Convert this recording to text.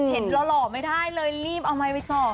เห็นเราหล่อไม่ได้เลยรีบเอาไม้ไปสอบ